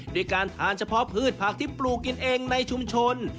ด้วยการทานเฉพาะพืชผักที่ปลูกกินเองในชุมชน